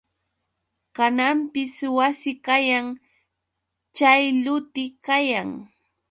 Kananpis wasi kayan chay luti kayan.